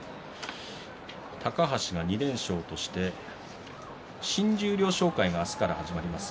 高橋が２連勝として新十両紹介が明日から始まります。